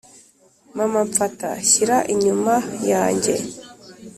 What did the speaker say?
mama amfata, shyira 'inyuma yanjye